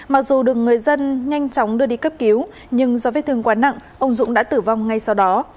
mặc dù được người dân nhanh chóng đưa đi cấp cứu nhưng do vết thương quá nặng ông dũng đã tử vong ngay sau đó